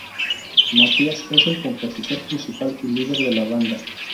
Mathias es el compositor principal y líder de la banda.